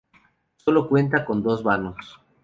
Sólo cuenta con dos vanos.